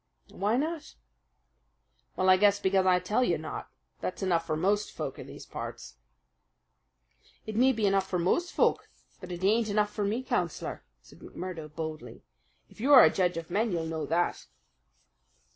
"Why not?" "Well, I guess because I tell you not. That's enough for most folk in these parts." "It may be enough for most folk; but it ain't enough for me, Councillor," said McMurdo boldly. "If you are a judge of men, you'll know that."